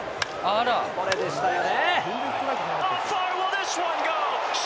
これでしたよね。